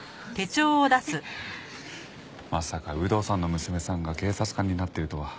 まさか有働さんの娘さんが警察官になってるとは。